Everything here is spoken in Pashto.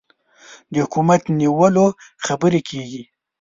د حکومت د نیولو خبرې کېږي.